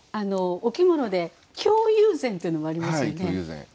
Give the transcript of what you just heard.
お着物で京友禅っていうのもありますよね。